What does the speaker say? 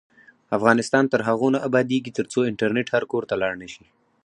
افغانستان تر هغو نه ابادیږي، ترڅو انټرنیټ هر کور ته لاړ نشي.